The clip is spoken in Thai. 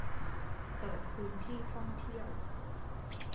เปิดพื้นที่ท่องเที่ยว